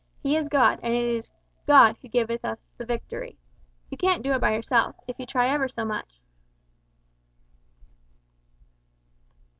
He is God, and it is `God who giveth us the victory.' You can't do it by yourself, if you try ever so much."